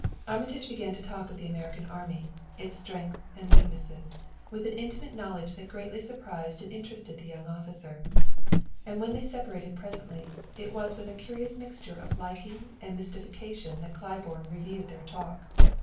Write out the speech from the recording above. Armitage began talking of the American army its strength and weaknesses with an intimate knowledge that greatly surprised and interested the young officer; and when they separated presently it was with a curious mixture of liking and mystification that Claiborne reviewed their talk.